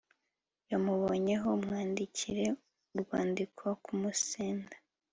yamubonyeho, amwandikire urwandiko kumusenda